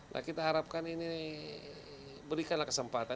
nah kita harapkan ini berikanlah kesempatan